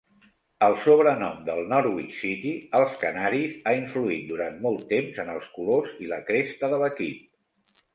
El sobrenom del Norwich City, "Els canaris", ha influït durant molt temps en els colors i la cresta de l'equip.